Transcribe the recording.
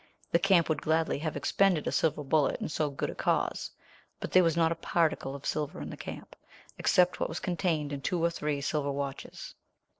The camp would gladly have expended a silver bullet in so good a cause, but there was not a particle of silver in the camp, except what was contained in two or three silver watches.